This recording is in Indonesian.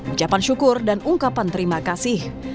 ucapan syukur dan ungkapan terima kasih